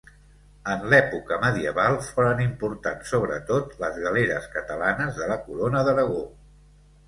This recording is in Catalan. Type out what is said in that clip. En l'època medieval, foren importants sobretot, les galeres catalanes de la corona d'Aragó.